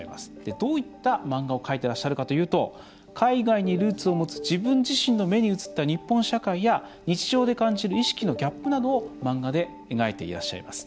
どういった漫画を描いてらっしゃるかというと海外にルーツを持つ自分自身の目に映った日本社会や日常で感じる意識のギャップなどを漫画で描いていらっしゃいます。